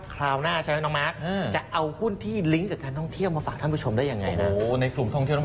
จะเห็นว่าตัวเลขที่เราเอามาฝากท่านผู้ชมนี่